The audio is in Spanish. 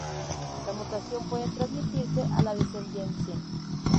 La mutación puede transmitirse a la descendencia.